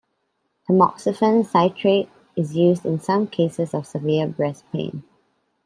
Tamoxifen citrate is used in some cases of severe breast pain.